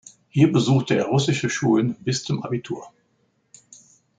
Hier besuchte er russische Schulen bis zum Abitur.